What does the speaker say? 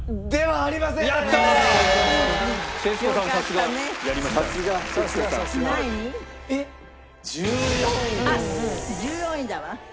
あっ１４位だわ。